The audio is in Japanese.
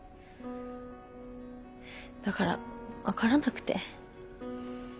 だから分からなくて。